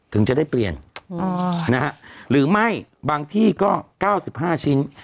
ถึงจะได้เปลี่ยนหรือไม่บางที่ก็๙๕ชิ้น